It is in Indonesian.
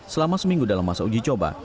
selama seminggu dalam masa uji coba